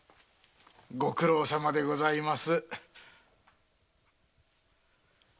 ご苦労さまでございます。